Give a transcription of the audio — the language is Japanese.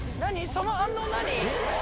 その反応何？